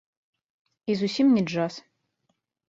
І зусім не джаз.